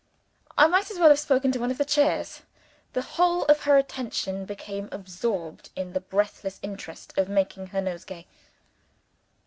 I might as well have spoken to one of the chairs. The whole of her attention became absorbed in the breathless interest of making her nosegay.